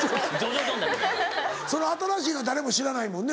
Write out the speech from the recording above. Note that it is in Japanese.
その新しいのは誰も知らないもんね